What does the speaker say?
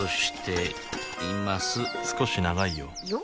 少し長いよよ？